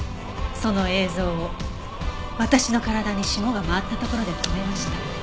その映像を私の体に霜が回ったところで止めました。